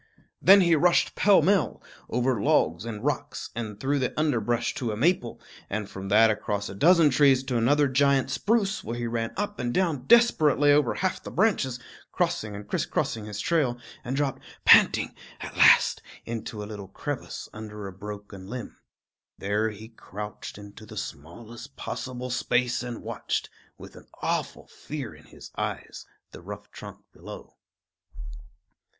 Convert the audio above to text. Then he rushed pell mell over logs and rocks, and through the underbrush to a maple, and from that across a dozen trees to another giant spruce, where he ran up and down desperately over half the branches, crossing and crisscrossing his trail, and dropped panting at last into a little crevice under a broken limb. There he crouched into the smallest possible space and watched, with an awful fear in his eyes, the rough trunk below.